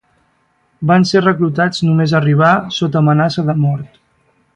Van ser reclutats només arribar sota amenaça de mort.